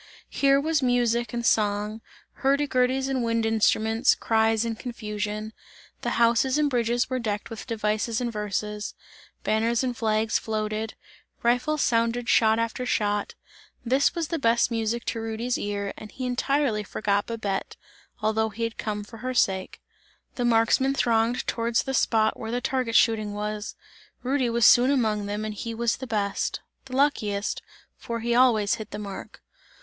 Here was music and song, hurdy gurdys and wind instruments, cries and confusion. The houses and bridges were decked with devices and verses; banners and flags floated, rifles sounded shot after shot; this was the best music to Rudy's ear and he entirely forgot Babette, although he had come for her sake. The marksmen thronged towards the spot where the target shooting was; Rudy was soon among them and he was the best, the luckiest, for he always hit the mark.